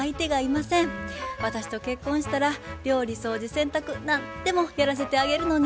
私と結婚したら料理掃除洗濯何でもやらせてあげるのに。